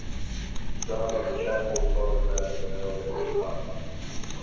Some of Chapple’s photographs are held at Te Papa.